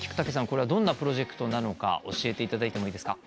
これはどんなプロジェクトなのか教えていただいてもいいですか？